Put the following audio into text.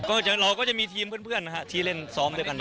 เราก็จะมีทีมเพื่อนนะครับที่เล่นซ้อมด้วยกันอยู่